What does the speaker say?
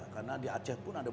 karena di aceh pun ada berbagai